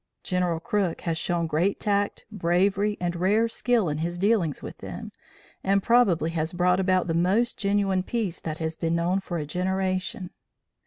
General Crook has shown great tact, bravery and rare skill in his dealings with them and probably has brought about the most genuine peace that has been known for a generation.